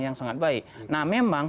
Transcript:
yang sangat baik nah memang